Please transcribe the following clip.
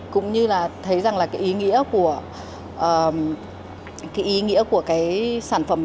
cũng như là thấy rằng là cái ý nghĩa của cái sản phẩm này